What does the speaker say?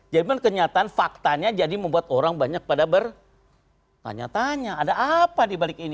kenyataan faktanya jadi membuat orang banyak pada bertanya tanya ada apa dibalik ini